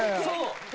そう！